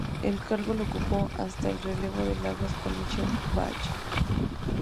El cargo lo ocupó hasta el relevo de Lagos por Michelle Bachelet.